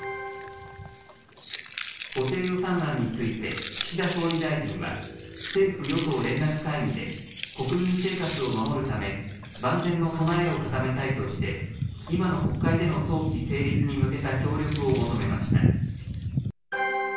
補正予算案について、岸田総理大臣は、政府与党連絡会議で、国民生活を守るため、万全の備えを固めたいとして、今の国会での早期成立に向けた協力を求めました。